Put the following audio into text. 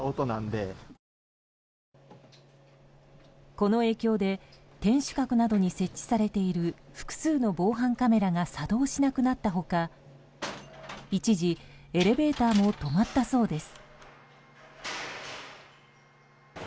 この影響で天守閣などに設置されている複数の防犯カメラが作動しなくなった他一時、エレベーターも止まったそうです。